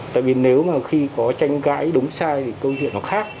tại vì nếu mà khi có tranh cãi đúng sai thì câu chuyện nó khác